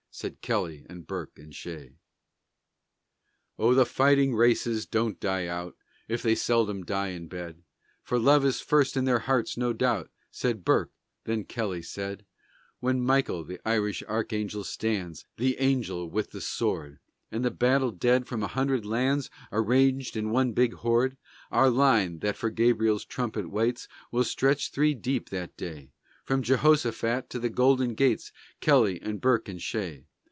Said Kelly and Burke and Shea. "Oh, the fighting races don't die out, If they seldom die in bed, For love is first in their hearts, no doubt," Said Burke; then Kelly said: "When Michael, the Irish Archangel, stands, The angel with the sword, And the battle dead from a hundred lands Are ranged in one big horde, Our line, that for Gabriel's trumpet waits, Will stretch three deep that day, From Jehoshaphat to the Golden Gates Kelly and Burke and Shea."